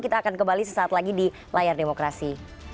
kita akan kembali sesaat lagi di layar demokrasi